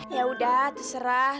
ya udah terserah